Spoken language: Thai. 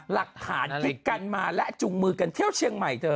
หลักฐานคลิปกันมาและจุงมือกันเที่ยวเชียงใหม่เธอ